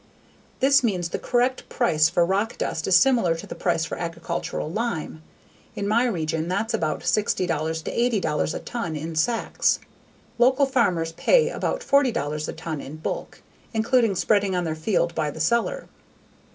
This means the correct price for rock dust is similar to the price for agricultural lime; in my region that's about $60 to $80 a ton in sacks. Local farmers pay about $40 a ton in bulk, including spreading on your field by the seller.